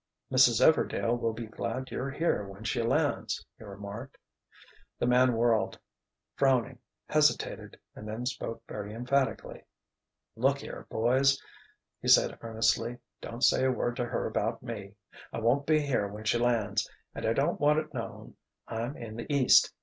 "Mrs. Everdail will be glad you're here when she lands," he remarked. The man whirled, frowning, hesitated and then spoke very emphatically. "Look here, boys," he said earnestly, "don't say a word to her about me! I won't be here when she lands—and I don't want it known I'm in the East.